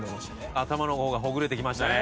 頭の方がほぐれてきましたね。